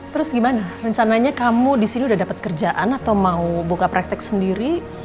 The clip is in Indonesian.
terus gimana rencananya kamu disini udah dapat kerjaan atau mau buka praktek sendiri